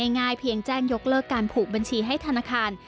ง่ายเพียงแจ้งยกเลิกการผูกบัญชีให้ธนาคาร